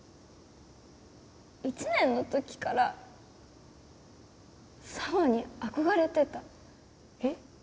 １年のときから紗羽に憧れてたえっ？